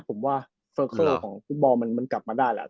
ผมว่าเฟิร์คเซอร์ของฟุตบอลมันกลับมาได้แล้ว